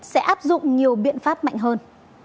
sẽ áp dụng nhiều biện pháp mạnh hơn